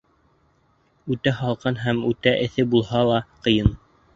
Үтә һалҡын һәм үтә эҫе булһа ла ҡыйын.